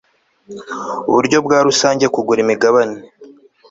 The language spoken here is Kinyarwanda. buryo bwa rusange kugura imigabane